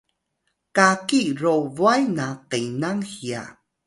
kaki ro bway na qenam hiya